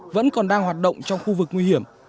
vẫn còn đang hoạt động trong khu vực nguy hiểm